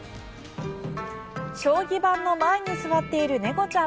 将棋盤の前に座っている猫ちゃん。